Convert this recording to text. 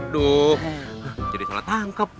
duh jadi salah tangkep